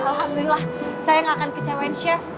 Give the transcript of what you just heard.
alhamdulillah saya gak akan kecewain chef